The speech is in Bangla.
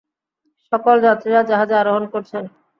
সকল যাত্রীরা জাহাজে আরোহণ করছেন!